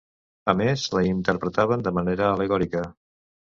A més la interpretaven de manera al·legòrica.